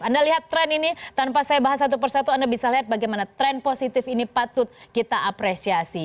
anda lihat tren ini tanpa saya bahas satu persatu anda bisa lihat bagaimana tren positif ini patut kita apresiasi